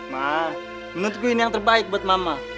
mah menurutku ini yang terbaik buat mama